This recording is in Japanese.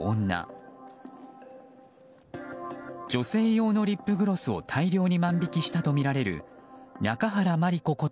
女性用のリップグロスを大量に万引きしたとみられる中原茉莉子